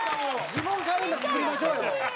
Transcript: ジモンカレンダー作りましょうよ。